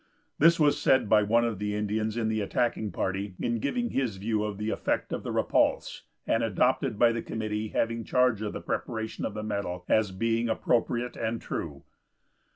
This was said by one of the Indians in the attacking party in giving his view of the effect of the repulse, and adopted by the committee having charge of the preparation of the medal as being appropriate and true.